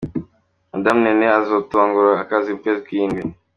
Madamu NneNe azotangura akazi mu kwezi kw'indwi.